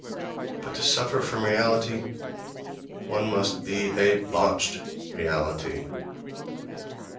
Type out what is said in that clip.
But to suffer from reality one must be a botched reality....